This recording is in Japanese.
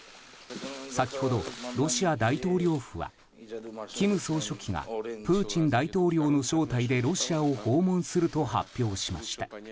先ほど、ロシア大統領府は金総書記がプーチン大統領の招待でロシアを訪問すると発表しました。